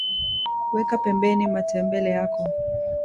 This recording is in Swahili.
Weka pembeni matembele yako